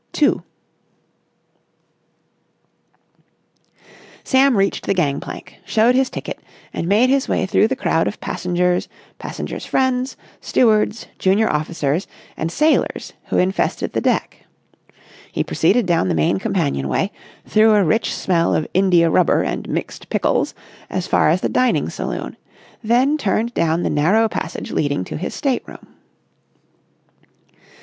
§ 2 Sam reached the gang plank, showed his ticket, and made his way through the crowd of passengers, passengers' friends, stewards, junior officers, and sailors who infested the deck. He proceeded down the main companion way, through a rich smell of india rubber and mixed pickles, as far as the dining saloon; then turned down the narrow passage leading to his state room.